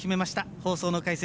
放送の解説